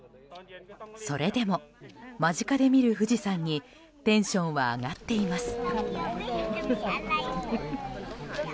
それでも、間近で見る富士山にテンションは上がっています。